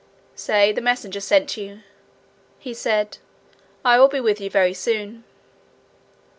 'Say the messenger sent you,' he said. 'I will be with you very soon.'